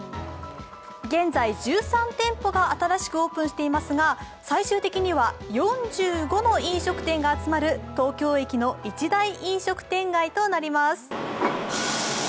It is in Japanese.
現在１３店舗が新しくオープンしていますが最終的には４５の飲食店が集まる東京駅の一大飲食店街となります。